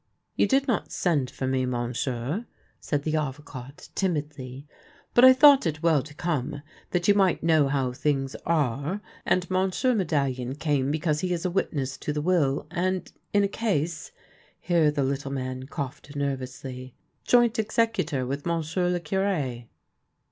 " You did not send for me, monsieur," said the Avocat timidly, "but I thought it well to come, that you might know how things are ; and Monsieur Medallion came because he is a witness to the will, and, in a case," — here the little man coughed nervously, —" joint executor with monsieur le Cure.'